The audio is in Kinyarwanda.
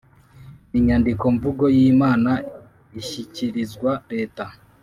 Inyandikomvugo y inama ishyikirizwa leta